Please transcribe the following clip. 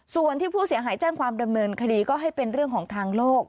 ส่วนที่ผู้เสียหายแจ้งความดำเนินคดีก็ให้เป็นเรื่องของทางโลก